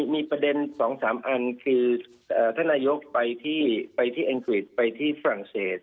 มีประเด็น๒๓อันคือท่านนายกไปที่อังกฤษไปที่ฝรั่งเศส